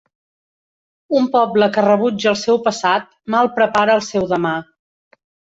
Un poble que rebutja el seu passat, mal prepara el seu demà.